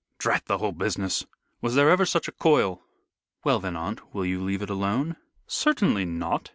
"Drat the whole business! Was there ever such a coil?" "Well then, aunt, will you leave it alone?" "Certainly not.